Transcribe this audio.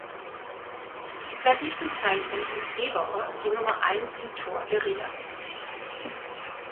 Seit diesem Zeitpunkt ist Gebauer die Nummer Eins im Tor der Rieder.